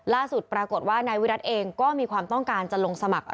ล่าสุดปรากฏว่านายวิรัติเองก็มีความต้องการจะลงสมัคร